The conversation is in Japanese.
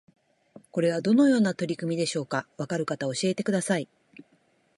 これはどのような取り組みでしょうか？わかる方教えてください